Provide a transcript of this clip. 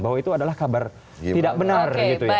bahwa itu adalah kabar tidak benar